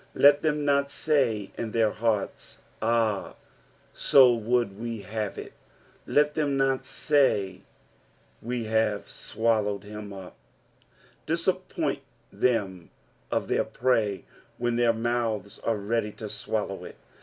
Let than not tay in their heart*. Ah, to wruld ue hat« it : let them not lay. We hare tKoHaaed Mm vp." Cissppoint them of their prey when their mouths are ready to swallow it.